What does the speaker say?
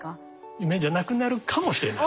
夢じゃなくなるかもしれない。